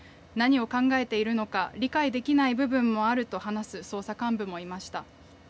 何を考えているのか理解できない部分もあると話す捜査幹部もいました。